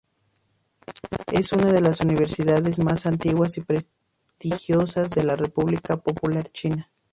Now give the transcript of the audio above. Es una de las universidades más antiguas y prestigiosas en la República Popular China.